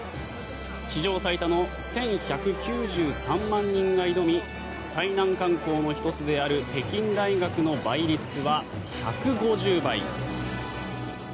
史上最多の１１９３万人が挑み最難関校の１つである北京大学の倍率は１５０倍。